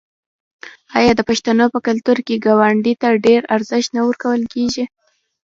آیا د پښتنو په کلتور کې ګاونډي ته ډیر ارزښت نه ورکول کیږي؟